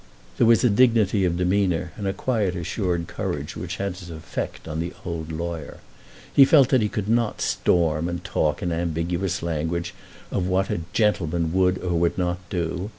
There was a dignity of demeanour and a quiet assured courage which had its effect upon the old lawyer. He felt that he could not storm and talk in ambiguous language of what a "gentleman" would or would not do.